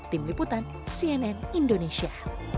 tim liputan cnn indonesia